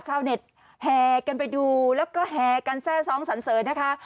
ชาวเน็ตแห่กันไปดูแล้วก็แห่กันแทร่ซ้องสันเสริญนะคะ